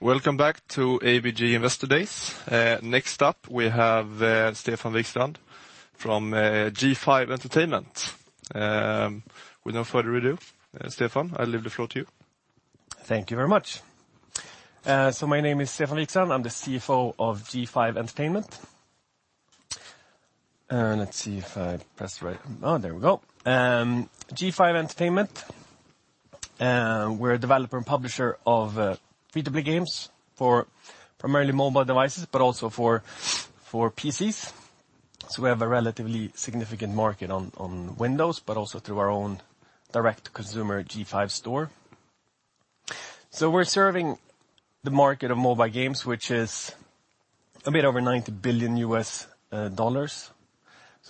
Welcome back to ABG Investor Days. next up, we have, Stefan Wikstrand from, G5 Entertainment. with no further ado, Stefan, I leave the floor to you. Thank you very much. My name is Stefan Wikstrand. I'm the CFO of G5 Entertainment. Let's see if I press the right... Oh, there we go. G5 Entertainment, we're a developer and publisher of free-to-play games for primarily mobile devices, but also for PCs. We have a relatively significant market on Windows, but also through our own direct-to-consumer G5 Store. We're serving the market of mobile games, which is a bit over $90 billion.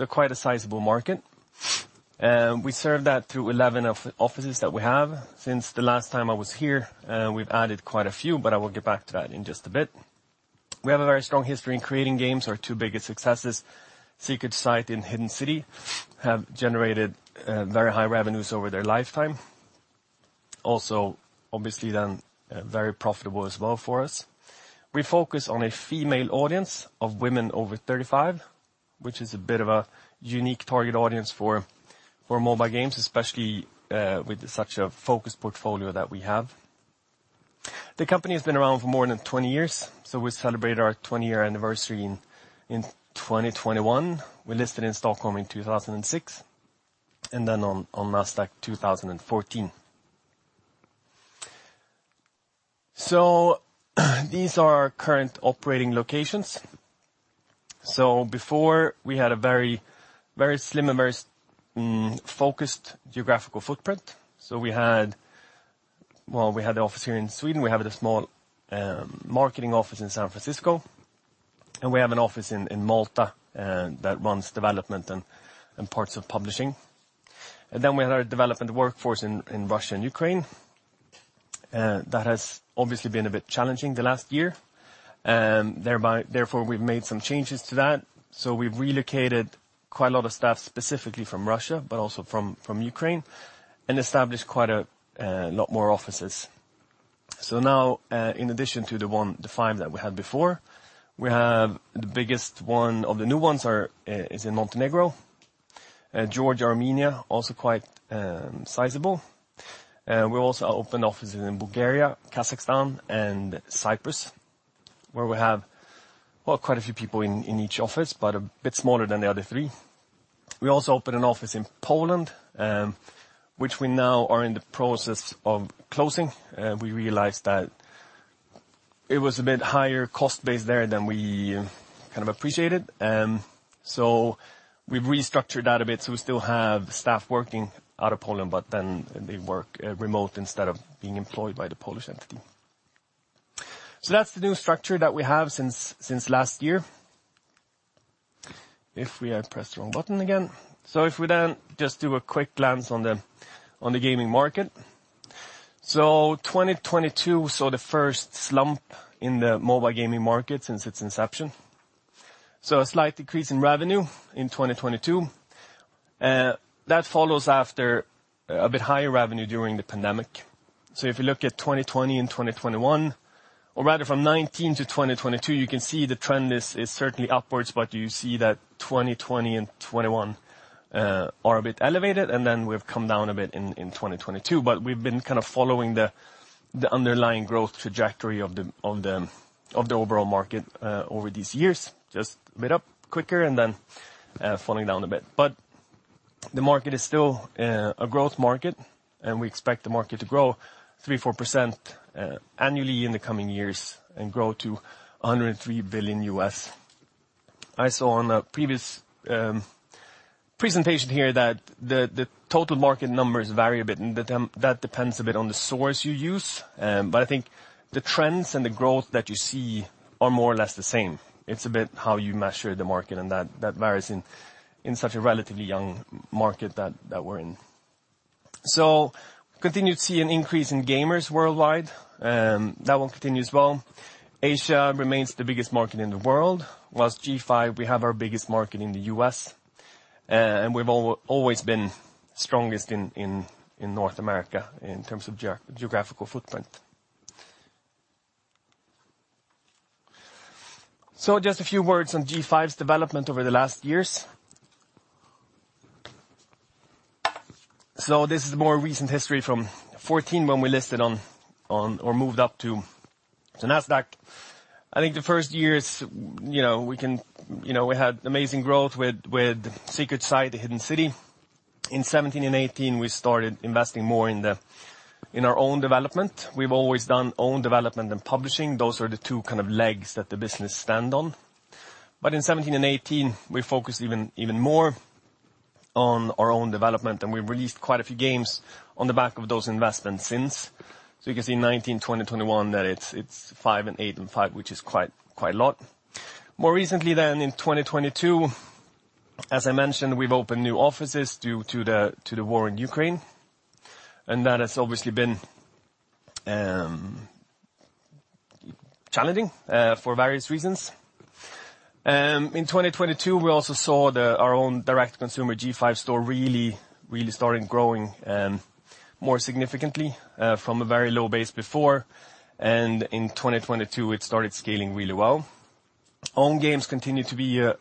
Quite a sizable market. We serve that through 11 offices that we have. Since the last time I was here, we've added quite a few. I will get back to that in just a bit. We have a very strong history in creating games. Our two biggest successes, The Secret Society and Hidden City, have generated very high revenues over their lifetime. Obviously, then, very profitable as well for us. We focus on a female audience of women over 35, which is a bit of a unique target audience for mobile games, especially with such a focused portfolio that we have. The company has been around for more than 20 years, we celebrated our 20-year anniversary in 2021. We listed in Stockholm in 2006, then on Nasdaq in 2014. These are our current operating locations. Before, we had a very, very slim and very focused geographical footprint. Well, we had the office here in Sweden. We have the small marketing office in San Francisco, we have an office in Malta that runs development and parts of publishing. We had our development workforce in Russia and Ukraine. That has obviously been a bit challenging the last year. Therefore, we've made some changes to that. We've relocated quite a lot of staff, specifically from Russia, but also from Ukraine, and established quite a lot more offices. Now, in addition to the 5 that we had before, we have the biggest one of the new ones is in Montenegro. Georgia, Armenia, also quite sizable. We also opened offices in Bulgaria, Kazakhstan, and Cyprus, where we have, well, quite a few people in each office, but a bit smaller than the other 3. We also opened an office in Poland, which we now are in the process of closing. We realized that it was a bit higher cost base there than we kind of appreciated. We've restructured that a bit, so we still have staff working out of Poland, but then they work remote instead of being employed by the Polish entity. That's the new structure that we have since last year. I pressed the wrong button again. If we then just do a quick glance on the gaming market. 2022 saw the first slump in the mobile gaming market since its inception. A slight decrease in revenue in 2022, that follows after a bit higher revenue during the pandemic. If you look at 2020 and 2021, or rather from 2019 to 2022, you can see the trend is certainly upwards, but you see that 2020 and 2021 are a bit elevated, and then we've come down a bit in 2022. We've been kind of following the underlying growth trajectory of the overall market over these years. Just a bit up quicker and then falling down a bit. The market is still a growth market, and we expect the market to grow 3%-4% annually in the coming years and grow to $103 billion. I saw on a previous presentation here that the total market numbers vary a bit, and that depends a bit on the source you use, but I think the trends and the growth that you see are more or less the same. It's a bit how you measure the market, and that varies in such a relatively young market that we're in. Continue to see an increase in gamers worldwide, that will continue as well. Asia remains the biggest market in the world, whilst G5, we have our biggest market in the US, and we've always been strongest in North America in terms of geographical footprint. Just a few words on G5's development over the last years. This is more recent history from 2014, when we listed. or moved up to the Nasdaq. I think the first years, you know, we had amazing growth with The Secret Society and Hidden City. In 2017 and 2018, we started investing more in our own development. We've always done own development and publishing. Those are the two kind of legs that the business stand on. In 2017 and 2018, we focused even more on our own development, and we've released quite a few games on the back of those investments since. You can see in 2019, 2020, 2021, that it's five and eight and five, which is quite a lot. More recently, in 2022, as I mentioned, we've opened new offices due to the war in Ukraine, and that has obviously been challenging for various reasons. In 2022, we also saw our own direct-to-consumer G5 Store really starting growing more significantly from a very low base before. In 2022, it started scaling really well. Own games continue to be a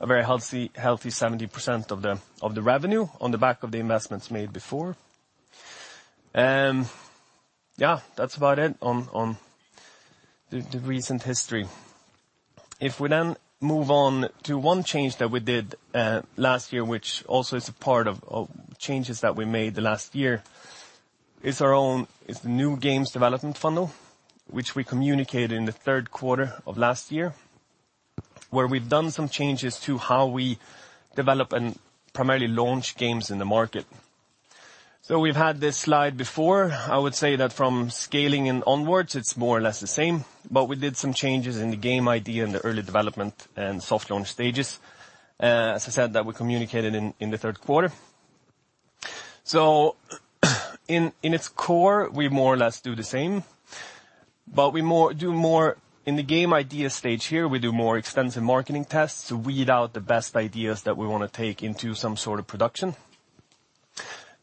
very healthy 70% of the revenue on the back of the investments made before. Yeah, that's about it on the recent history. We move on to one change that we did last year, which also is a part of changes that we made the last year, is the new games development funnel, which we communicated in the Q3 of last year, where we've done some changes to how we develop and primarily launch games in the market. We've had this slide before. I would say that from scaling and onwards, it's more or less the same, but we did some changes in the game idea in the early development and soft launch stages, as I said, that we communicated in the Q3. In its core, we more or less do the same, but we do more in the game idea stage here, we do more extensive marketing tests to weed out the best ideas that we wanna take into some sort of production.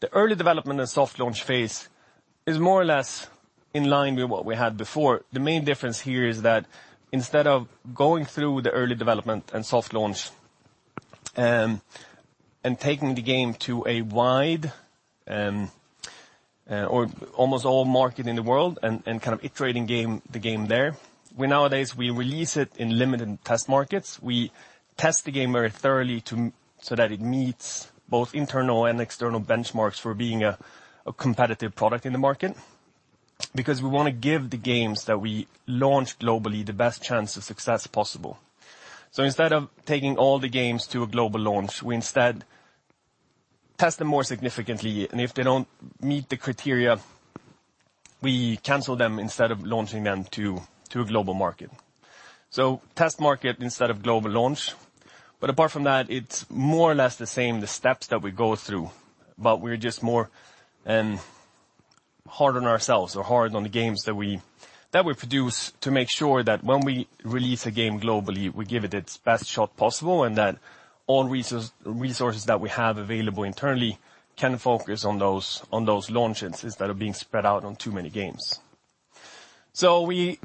The early development and soft launch phase is more or less in line with what we had before. The main difference here is that instead of going through the early development and soft launch, and taking the game to a wide, or almost all market in the world and kind of iterating the game there, we nowadays release it in limited test markets. We test the game very thoroughly so that it meets both internal and external benchmarks for being a competitive product in the market, because we wanna give the games that we launch globally the best chance of success possible. Instead of taking all the games to a global launch, we instead test them more significantly, and if they don't meet the criteria, we cancel them instead of launching them to a global market. Test market instead of global launch. Apart from that, it's more or less the same, the steps that we go through, but we're just more hard on ourselves or hard on the games that we produce to make sure that when we release a game globally, we give it its best shot possible, and that all resources that we have available internally can focus on those, on those launches, instead of being spread out on too many games. We,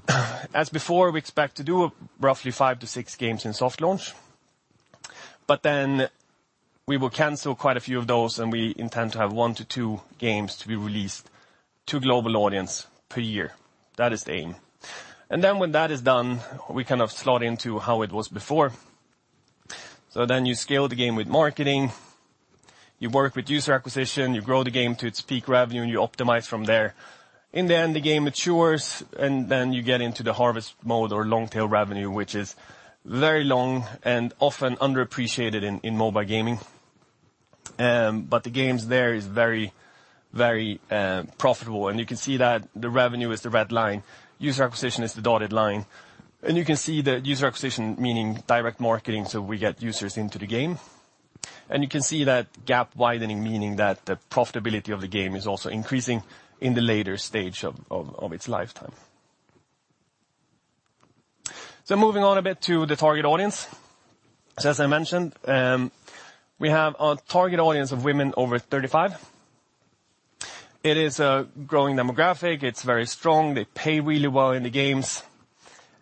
as before, expect to do roughly 5-6 games in soft launch, but then we will cancel quite a few of those, and we intend to have 1-2 games to be released to global audience per year. That is the aim. When that is done, we kind of slot into how it was before. You scale the game with marketing, you work with user acquisition, you grow the game to its peak revenue, and you optimize from there. In the end, the game matures, and then you get into the harvest mode or long-tail revenue, which is very long and often underappreciated in mobile gaming. But the games there is very, very profitable, and you can see that the revenue is the red line, user acquisition is the dotted line. You can see the user acquisition, meaning direct marketing, so we get users into the game. You can see that gap widening, meaning that the profitability of the game is also increasing in the later stage of its lifetime. Moving on a bit to the target audience. As I mentioned, we have a target audience of women over 35. It is a growing demographic, it's very strong, they pay really well in the games,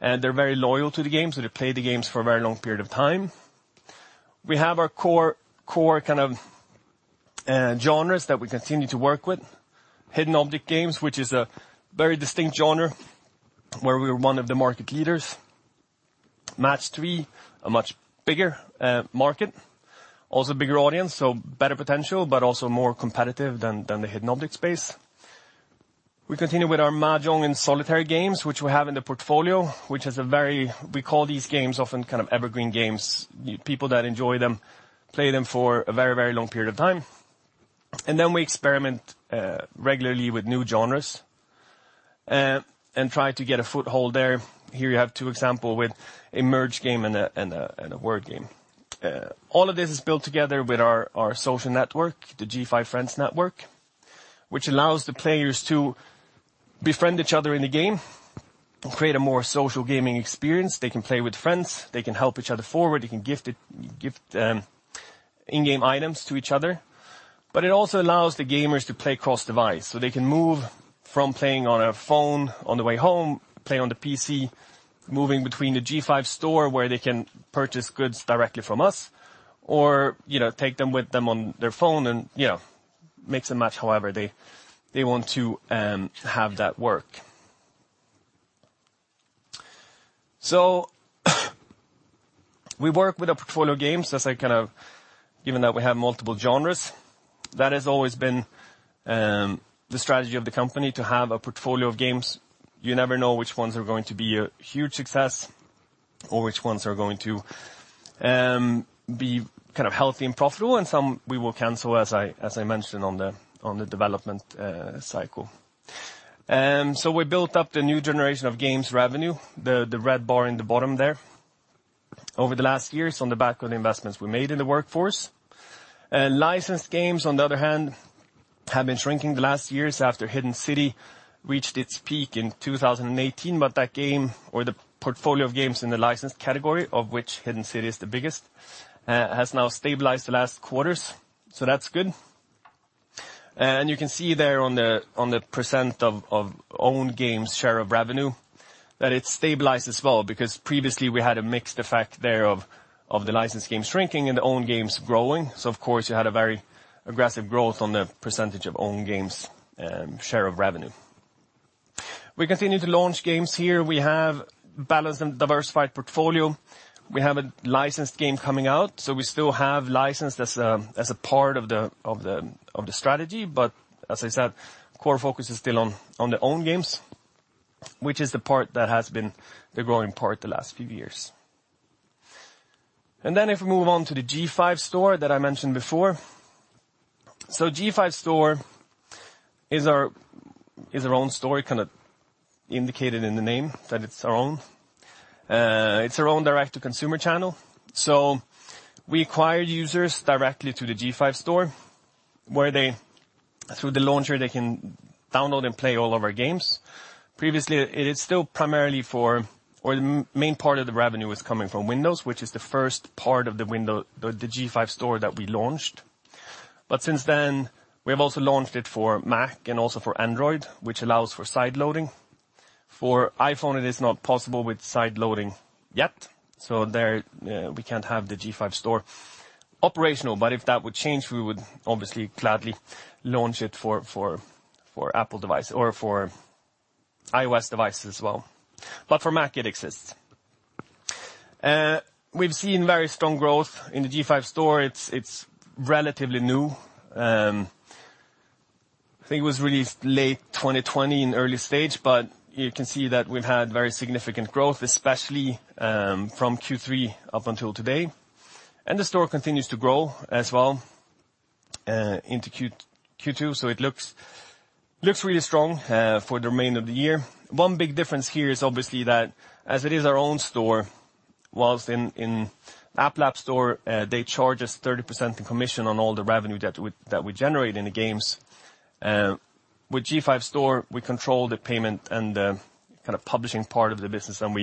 and they're very loyal to the games, so they play the games for a very long period of time. We have our core kind of genres that we continue to work with. hidden object games, which is a very distinct genre, where we're one of the market leaders. match-three, a much bigger market, also bigger audience, so better potential, but also more competitive than the hidden object space. We continue with our Mahjong and Solitaire games, which we have in the portfolio. We call these games often kind of evergreen games. People that enjoy them, play them for a very, very long period of time. Then we experiment regularly with new genres and try to get a foothold there. Here you have two example with a merge game and a word game. All of this is built together with our social network, the G5 Friends Network, which allows the players to befriend each other in the game and create a more social gaming experience. They can play with friends, they can help each other forward, they can gift in-game items to each other. It also allows the gamers to play cross-device, so they can move from playing on a phone on the way home, play on the PC, moving between the G5 Store, where they can purchase goods directly from us, or, you know, take them with them on their phone and, you know, mix and match however they want to have that work. We work with a portfolio of games, as I given that we have multiple genres. That has always been the strategy of the company, to have a portfolio of games. You never know which ones are going to be a huge success or which ones are going to be kind of healthy and profitable, and some we will cancel, as I mentioned, on the development cycle. We built up the new generation of games revenue, the red bar in the bottom there, over the last years, on the back of the investments we made in the workforce. Licensed games, on the other hand, have been shrinking the last years after Hidden City reached its peak in 2018. That game, or the portfolio of games in the licensed category, of which Hidden City is the biggest, has now stabilized the last quarters. That's good. You can see there on the, on the % of own games share of revenue, that it stabilized as well, because previously we had a mixed effect there of the licensed games shrinking and the own games growing. Of course, you had a very aggressive growth on the % of own games share of revenue. We continue to launch games here. We have balanced and diversified portfolio. We have a licensed game coming out, so we still have licensed as a, as a part of the strategy. As I said, core focus is still on the own games, which is the part that has been the growing part the last few years. If we move on to the G5 Store that I mentioned before. G5 Store is our, is our own store, kind of indicated in the name that it's our own. It's our own direct-to-consumer channel. We acquire users directly to the G5 Store, where they, through the launcher, they can download and play all of our games. Previously, it is still primarily for or the main part of the revenue is coming from Windows, which is the first part of the G5 Store that we launched. Since then, we have also launched it for Mac and also for Android, which allows for sideloading. For iPhone, it is not possible with sideloading yet, so there, we can't have the G5 Store operational. If that would change, we would obviously gladly launch it for Apple device or for iOS devices as well. For Mac, it exists. We've seen very strong growth in the G5 Store. It's relatively new. I think it was released late 2020 in early stage, but you can see that we've had very significant growth, especially from Q3 up until today. The store continues to grow as well into Q2, so it looks really strong for the remainder of the year. One big difference here is obviously that as it is our own store, while in App Lab store, they charge us 30% in commission on all the revenue that we generate in the games. With G5 Store, we control the payment and the kind of publishing part of the business, and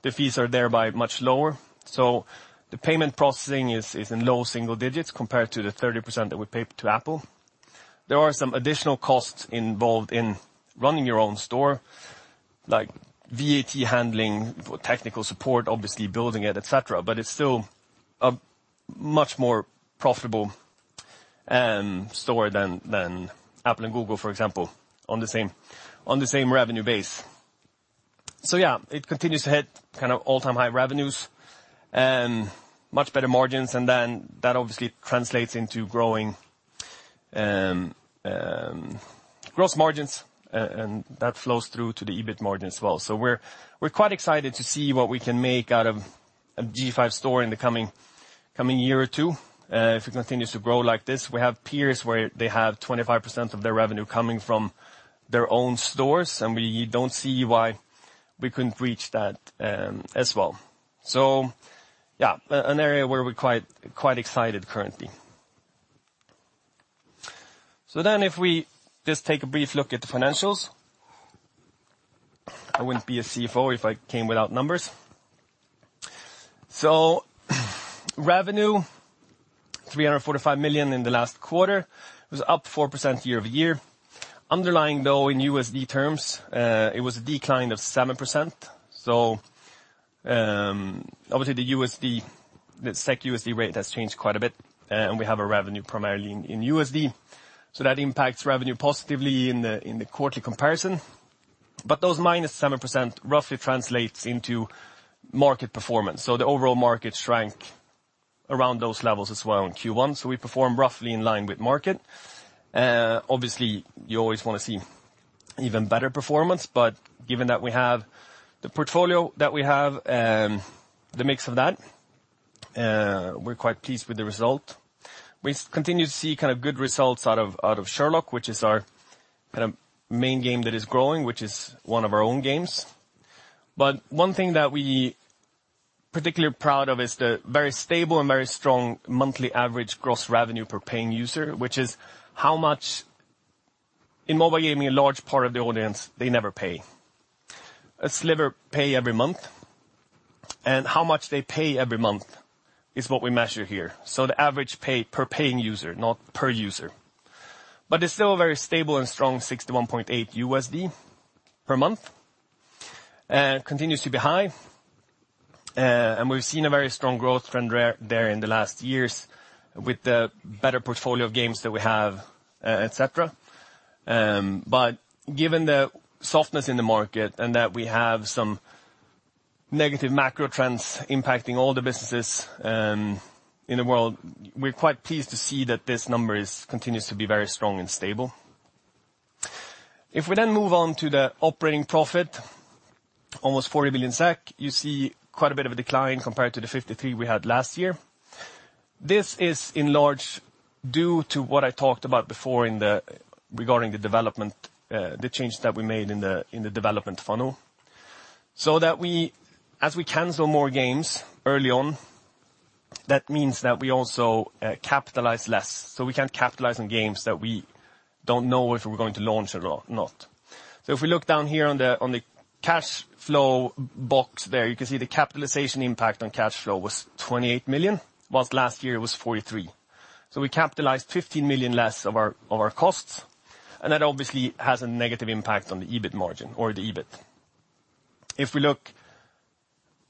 the fees are thereby much lower, so the payment processing is in low single digits compared to the 30% that we pay to Apple. There are some additional costs involved in running your own store, like VAT handling, technical support, obviously building it, et cetera, but it's still a much more profitable store than Apple and Google, for example, on the same, on the same revenue base. Yeah, it continues to hit kind of all-time high revenues, much better margins, and that obviously translates into growing gross margins, and that flows through to the EBIT margin as well. We're quite excited to see what we can make out of a G5 Store in the coming year or two. If it continues to grow like this, we have peers where they have 25% of their revenue coming from their own stores, and we don't see why we couldn't reach that as well. Yeah, an area where we're quite excited currently. If we just take a brief look at the financials. I wouldn't be a CFO if I came without numbers. Revenue, 345 million in the last quarter, was up 4% year-over-year. Underlying, though, in USD terms, it was a decline of 7%. Obviously, the USD, the SEK-USD rate has changed quite a bit, and we have a revenue primarily in USD, so that impacts revenue positively in the quarterly comparison. Those minus 7% roughly translates into market performance. The overall market shrank around those levels as well in Q1, so we performed roughly in line with market. Obviously, you always want to see even better performance, but given that we have the portfolio that we have, the mix of that, we're quite pleased with the result. We continue to see kind of good results out of Sherlock, which is our kind of main game that is growing, which is one of our own games. One thing that we particularly proud of is the very stable and very strong monthly average gross revenue per paying user, which is how much. In mobile gaming, a large part of the audience, they never pay. A sliver pay every month, and how much they pay every month is what we measure here. The average pay per paying user, not per user. It's still a very stable and strong $61.8 per month, continues to be high. We've seen a very strong growth trend there in the last years with the better portfolio of games that we have, et cetera. Given the softness in the market and that we have some negative macro trends impacting all the businesses in the world, we're quite pleased to see that this number is continues to be very strong and stable. We move on to the operating profit, almost 40 billion SEK. You see quite a bit of a decline compared to the 53 billion we had last year. This is in large due to what I talked about before regarding the development, the change that we made in the development funnel. That we, as we cancel more games early on, that means that we also capitalize less. We can't capitalize on games that we don't know if we're going to launch or not. If we look down here on the cash flow box there, you can see the capitalization impact on cash flow was 28 million, whilst last year it was 43 million. We capitalized 15 million less of our costs. That obviously has a negative impact on the EBIT margin or the EBIT. If we look,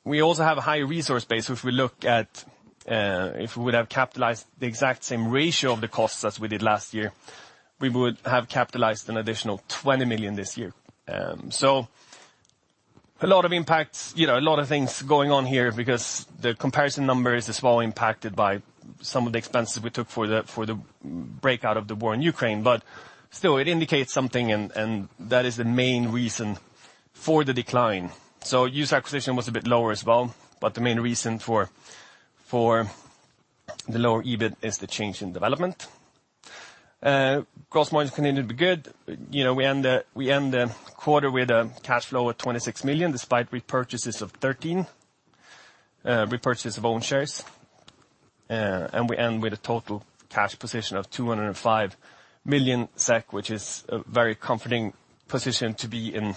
we also have a higher resource base. If we look at, if we would have capitalized the exact same ratio of the costs as we did last year, we would have capitalized an additional 20 million SEK this year. A lot of impacts, you know, a lot of things going on here because the comparison number is as well impacted by some of the expenses we took for the breakout of the war in Ukraine. Still, it indicates something and that is the main reason for the decline. User acquisition was a bit lower as well, but the main reason for the lower EBIT is the change in development. Gross margin continued to be good. You know, we end the quarter with a cash flow of 26 million, despite repurchases of 13 million, repurchase of own shares. We end with a total cash position of 205 million SEK, which is a very comforting position to be in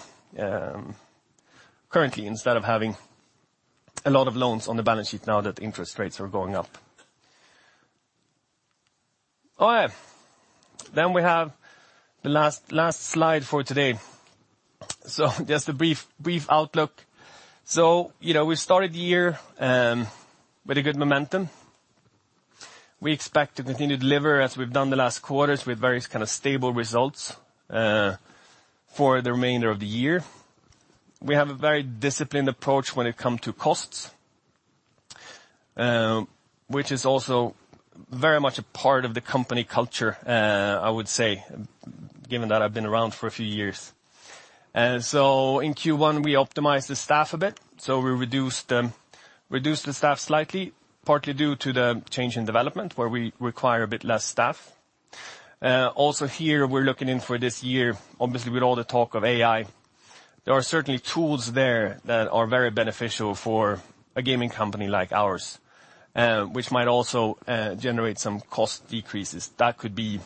currently, instead of having a lot of loans on the balance sheet now that interest rates are going up. All right, we have the last slide for today. Just a brief outlook. You know, we started the year with a good momentum. We expect to continue to deliver as we've done the last quarters, with various kind of stable results for the remainder of the year. We have a very disciplined approach when it come to costs, which is also very much a part of the company culture, I would say, given that I've been around for a few years. In Q1, we optimized the staff a bit, so we reduced the staff slightly, partly due to the change in development, where we require a bit less staff. Also here, we're looking in for this year, obviously, with all the talk of AI, there are certainly tools there that are very beneficial for a gaming company like ours, which might also, generate some cost decreases. That could be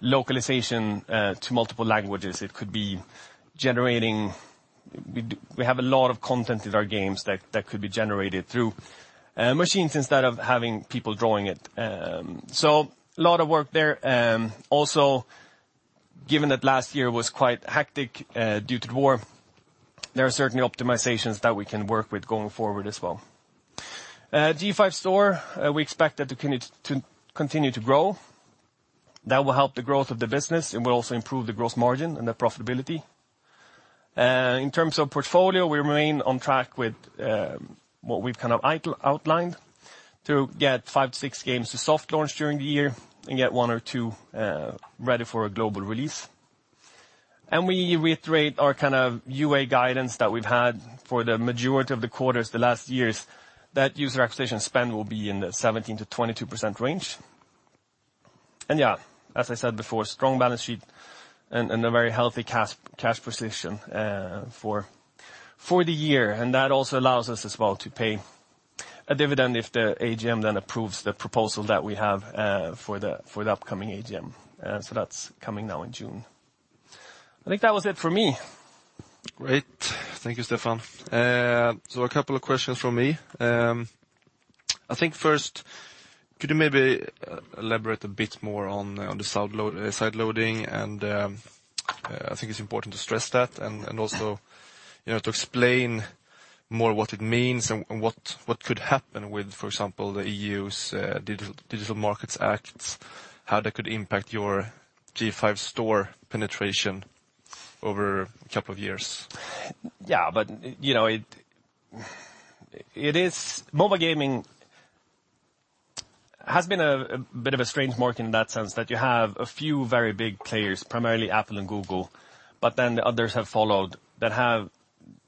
localization, to multiple languages. It could be generating. We have a lot of content in our games that could be generated through machines instead of having people drawing it. A lot of work there. Also, given that last year was quite hectic due to the war, there are certainly optimizations that we can work with going forward as well. G5 Store, we expect that to continue to grow. That will help the growth of the business and will also improve the gross margin and the profitability. In terms of portfolio, we remain on track with what we've kind of outlined to get 5 to 6 games to soft launch during the year and get 1 or 2 ready for a global release. We reiterate our kind of UA guidance that we've had for the majority of the quarters the last years, that user acquisition spend will be in the 17%-22% range. Yeah, as I said before, strong balance sheet and a very healthy cash position for the year. That also allows us as well to pay a dividend if the AGM then approves the proposal that we have for the upcoming AGM. That's coming now in June. I think that was it for me. Great. Thank you, Stefan. A couple of questions from me. I think first, could you maybe elaborate a bit more on the sideloading? I think it's important to stress that and also, you know, to explain more what it means and what could happen with, for example, the EU's Digital Markets Act, how that could impact your G5 Store penetration over a couple of years? you know, it is mobile gaming has been a bit of a strange market in that sense, that you have a few very big players, primarily Apple and Google, but then the others have followed that have,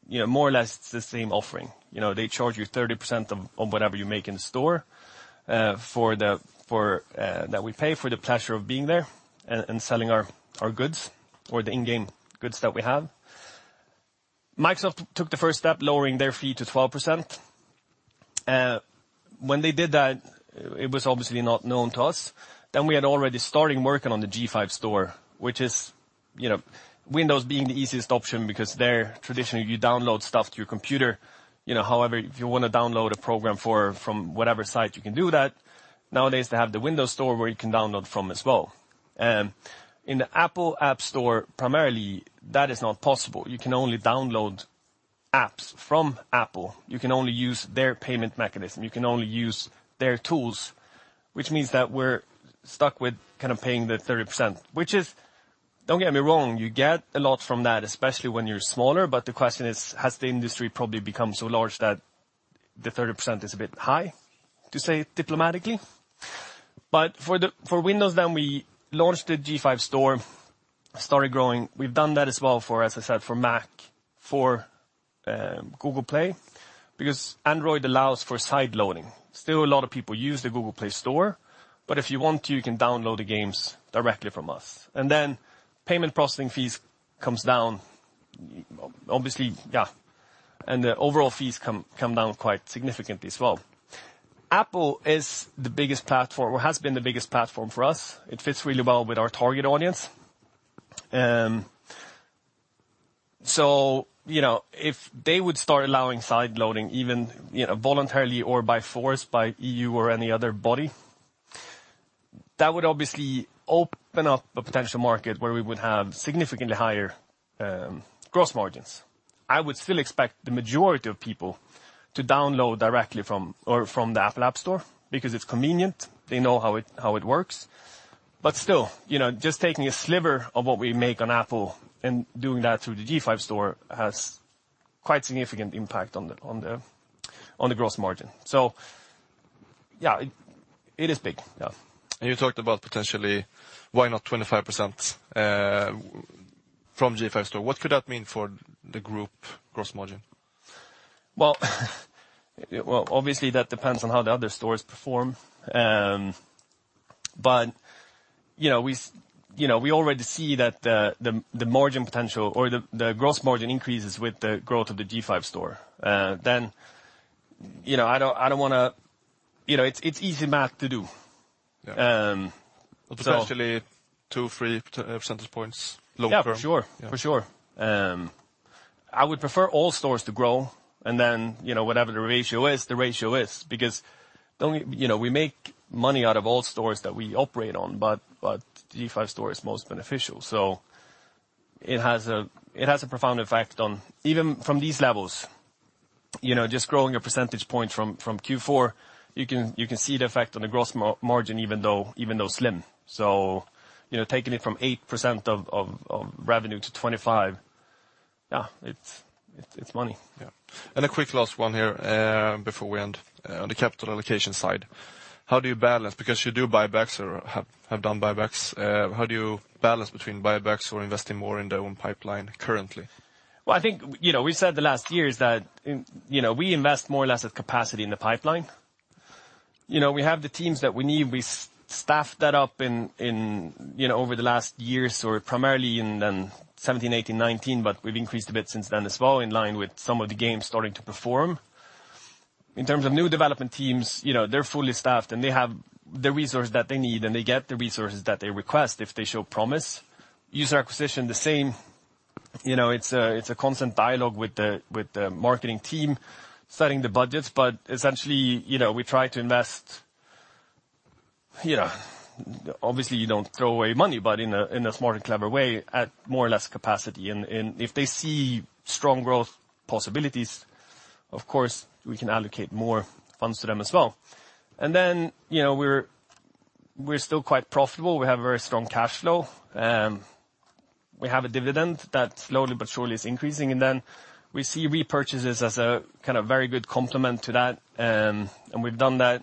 you know, more or less the same offering. You know, they charge you 30% of, on whatever you make in the store, for the, for that we pay for the pleasure of being there and selling our goods or the in-game goods that we have. Microsoft took the first step, lowering their fee to 12%. When they did that, it was obviously not known to us. We had already starting working on the G5 Store, which is, you know, Windows being the easiest option because they're traditionally, you download stuff to your computer. You know, however, if you want to download a program from whatever site, you can do that. Nowadays, they have the Windows Store, where you can download from as well. In the Apple App Store, primarily, that is not possible. You can only download apps from Apple. You can only use their payment mechanism. You can only use their tools, which means that we're stuck with kind of paying the 30%. Which is, don't get me wrong, you get a lot from that, especially when you're smaller, but the question is, has the industry probably become so large that the 30% is a bit high, to say it diplomatically? For Windows, then we launched the G5 Store, started growing. We've done that as well for, as I said, for Mac, for Google Play. Android allows for sideloading. Still a lot of people use the Google Play Store, but if you want to, you can download the games directly from us. Then payment processing fees comes down, obviously, yeah, and the overall fees come down quite significantly as well. Apple is the biggest platform, or has been the biggest platform for us. It fits really well with our target audience. You know, if they would start allowing sideloading, even, you know, voluntarily or by force, by EU or any other body, that would obviously open up a potential market where we would have significantly higher gross margins. I would still expect the majority of people to download directly from, or from the Apple App Store, because it's convenient, they know how it works. Still, you know, just taking a sliver of what we make on Apple and doing that through the G5 Store has quite significant impact on the gross margin. Yeah, it is big, yeah. You talked about potentially, why not 25%, from G5 Store. What could that mean for the group gross margin? Well, obviously, that depends on how the other stores perform. You know, we already see that the margin potential or the gross margin increases with the growth of the G5 Store. You know, I don't wanna. You know, it's easy math to do. Yeah. Um, so- Potentially 2, 3 percentage points long term. Yeah, for sure. Yeah. For sure. I would prefer all stores to grow, and then, you know, whatever the ratio is, the ratio is. You know, we make money out of all stores that we operate on, but G5 Store is most beneficial. It has a profound effect on... Even from these levels, you know, just growing a percentage point from Q4, you can see the effect on the gross margin, even though slim. You know, taking it from 8% of revenue to 25%, yeah, it's money. Yeah. A quick last one here, before we end. On the capital allocation side, how do you balance? Because you do buybacks or have done buybacks. How do you balance between buybacks or investing more in their own pipeline currently? Well, I think, you know, we said the last years that, you know, we invest more or less at capacity in the pipeline. You know, we have the teams that we need. We staffed that up in, you know, over the last years, or primarily in 17, 18, 19, but we've increased a bit since then as well, in line with some of the games starting to perform. In terms of new development teams, you know, they're fully staffed, and they have the resource that they need, and they get the resources that they request, if they show promise. User acquisition, the same. You know, it's a constant dialogue with the marketing team, setting the budgets, but essentially, you know, we try to invest... You know, obviously, you don't throw away money, but in a, in a smart and clever way, at more or less capacity. If they see strong growth possibilities, of course, we can allocate more funds to them as well. Then, you know, we're still quite profitable. We have very strong cash flow. We have a dividend that slowly but surely is increasing, and then we see repurchases as a kind of very good complement to that. We've done that,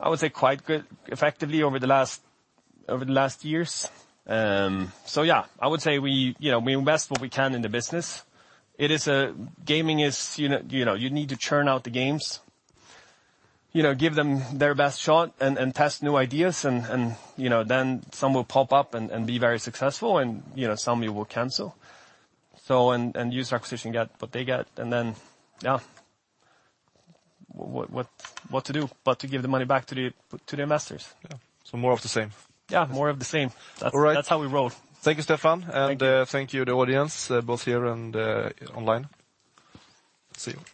I would say, quite good, effectively over the last years. Yeah, I would say we, you know, we invest what we can in the business. It is a... Gaming is, you know, you know, you need to churn out the games, you know, give them their best shot and test new ideas, and, you know, then some will pop up and be very successful and, you know, some you will cancel. User acquisition get what they get, and then, yeah, what to do, but to give the money back to the, to the investors? Yeah. More of the same? Yeah, more of the same. All right. That's how we roll. Thank you, Stefan. Thank you. Thank you, the audience, both here and online. See you.